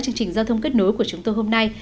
chương trình giao thông kết nối của chúng tôi hôm nay